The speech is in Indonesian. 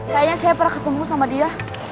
kayaknya saya pernah ketemu sama dia